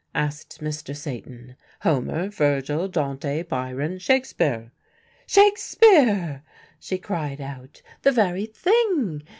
asked Mr. Satan, "Homer, Virgil, Dante, Byron, Shakespeare?" "Shakespeare!" she cried out, "the very thing.